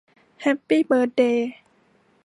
แฮปปี้เบิร์ดเดย์